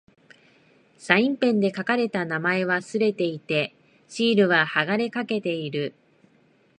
サインペンで書かれた名前は掠れていて、シールは剥がれかけている。